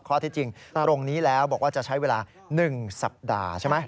ข้อที่จริงตรงนี้แล้วบอกว่าจะใช้เวลา๑สัปดาห์ใช่ไหม